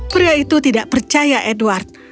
pria itu tidak percaya edward